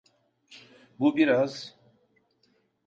Bu biraz…